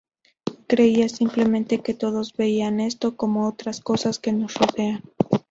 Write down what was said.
Creía simplemente que todos veían esto, como otras cosas que nos rodean.